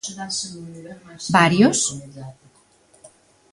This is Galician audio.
Varios?